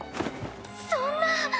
そんな。